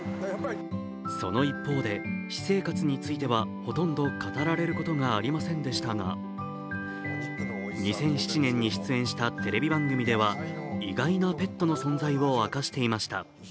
その一方で、私生活についてはほとんど語られることがありませんでしたが、２００７年に出演したテレビ番組では意外なペットの存在を明かしていました。